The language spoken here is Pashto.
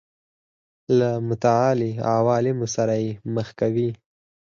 له متعالي عوالمو سره یې مخ کوي.